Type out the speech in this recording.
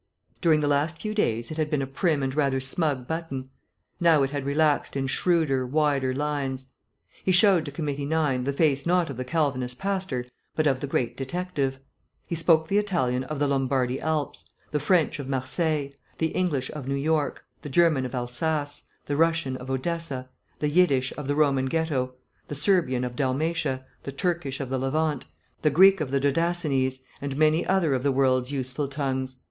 During the last few days it had been a prim and rather smug button. Now it had relaxed in shrewder, wider lines. He showed to Committee 9 the face not of the Calvinist pastor but of the great detective. He spoke the Italian of the Lombardy Alps, the French of Marseilles, the English of New York, the German of Alsace, the Russian of Odessa, the Yiddish of the Roman Ghetto, the Serbian of Dalmatia, the Turkish of the Levant, the Greek of the Dodacenese, and many other of the world's useful tongues.